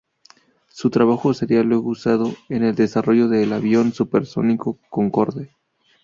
Su trabajo sería luego usado en el desarrollo del avión supersónico Concorde.